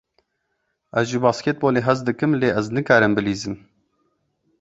Ez ji basketbolê hez dikim, lê ez nikarim bilîzim.